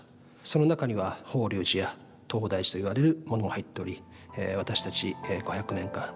その中には法隆寺や東大寺といわれるものも入っており私たち５００年間